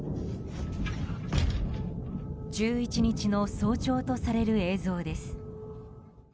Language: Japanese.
１１日の早朝とされる映像です。